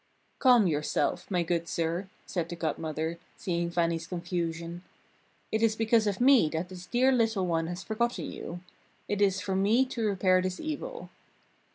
"Calm yourself, my good sir," said the Godmother, seeing Fannie's confusion. "It is because of me that this dear little one has forgotten you. It is for me to repair this evil."